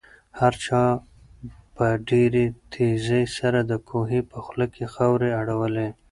هر چا په ډېرې تېزۍ سره د کوهي په خوله کې خاورې اړولې.